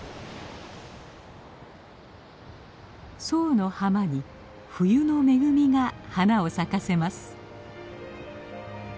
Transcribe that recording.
左右の浜に冬の恵みが花を咲かせます。